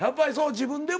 自分でも。